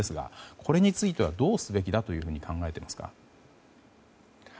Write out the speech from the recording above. これについてはどうすべきだと考えていますか。